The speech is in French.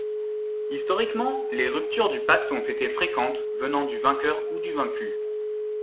Historiquement les ruptures du pacte ont été fréquentes venant du vainqueur ou du vaincu.